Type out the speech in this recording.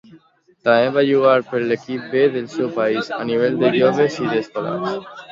També va jugar per l'equip "B" del seu país, a nivell de joves i d'escolars.